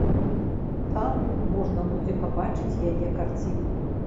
Там можна будзе пабачыць яе карціны.